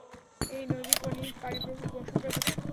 এই নদীর পানিপ্রবাহ মৌসুমি প্রকৃতির।